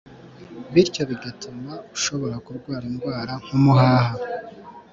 bityo bigatuma ushobora kurwara indwara nk’umuhaha